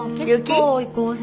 雪？